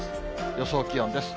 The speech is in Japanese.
予想気温です。